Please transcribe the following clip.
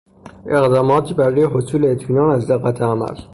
اقداماتی برای حصول اطمینان از دقت عمل